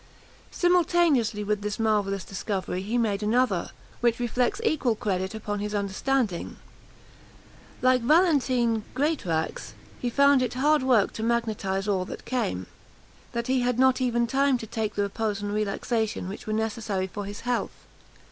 Simultaneously with this marvellous discovery he made another, which reflects equal credit upon his understanding. Like Valentine Greatraks, he found it hard work to magnetise all that came that he had not even time to take the repose and relaxation which were necessary for his health.